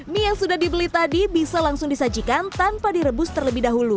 mie yang sudah dibeli tadi bisa langsung disajikan tanpa direbus terlebih dahulu